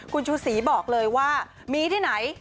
คุณชูศรีบอกเลยว่ามีที่ไหน